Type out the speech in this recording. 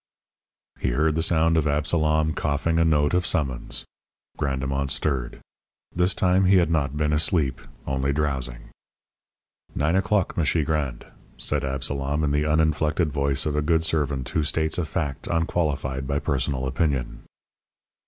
He heard the sound of Absalom coughing a note of summons. Grandemont stirred. This time he had not been asleep only drowsing. "Nine o'clock, M'shi Grande," said Absalom in the uninflected voice of a good servant who states a fact unqualified by personal opinion.